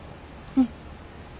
うん。